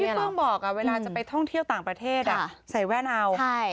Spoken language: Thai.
เหมือนที่แฟมม์บอกเวลาจะไปท่องเที่ยวต่างประเทศใส่แว่นอ่าน